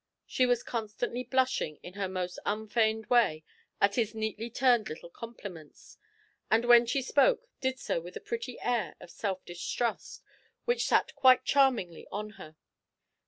She was constantly blushing in the most unfeigned way at his neatly turned little compliments, and, when she spoke, did so with a pretty air of self distrust which sat quite charmingly on her.